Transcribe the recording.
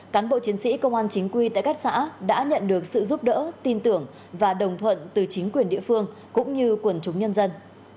cán bộ chiến sĩ công an chính quy tại các xã đã nhận được sự giúp đỡ tin tưởng và đồng thuận từ chính quyền địa phương cũng như quần chúng nhân dân